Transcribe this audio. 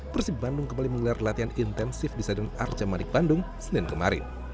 persib bandung kembali mengelar latihan intensif di sadun arca marik bandung selain kemarin